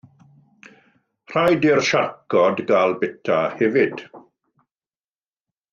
Rhaid i'r siarcod gael bwyta hefyd.